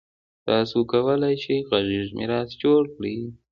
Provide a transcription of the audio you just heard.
تاسو کولای شئ غږیز میراث جوړ کړئ.